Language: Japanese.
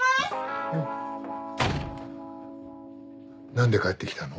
何で帰って来たの？